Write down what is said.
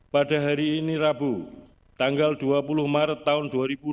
pada hari ini rabu tanggal dua puluh maret tahun dua ribu dua puluh